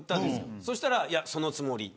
そうしたら、そのつもり。